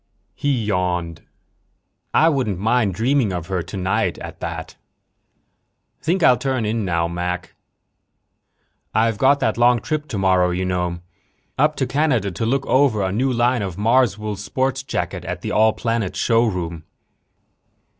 He yawned. "I wouldn't mind dreaming of her tonight, at that. Think I'll turn in now, Mac. I've got that long trip tomorrow, you know. Up to Canada to look over a new line of Marswool sport jackets at the All Planets Showroom."